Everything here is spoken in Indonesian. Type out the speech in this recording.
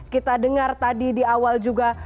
kita dengar tadi di awal juga